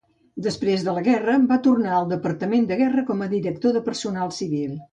Després de la guerra, va tornar al Departament de Guerra com a director de personal civil.